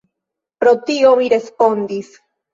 Pro tio mi respondis.